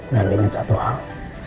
dan ingin satu hal